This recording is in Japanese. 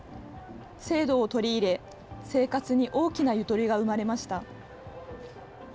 制度を取り入れ、生活に大きなゆとりが生まれました。